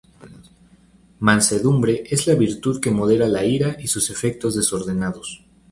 Mansedumbre es la virtud que modera la ira y sus efectos desordenados.